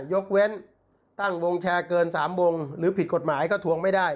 ยกเว้นตั้งวงแชร์เกิน๓วงหรือผิดกฎหมายก็ทวงไม่ได้